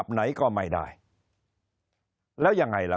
คนในวงการสื่อ๓๐องค์กร